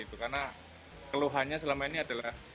karena keluhannya selama ini adalah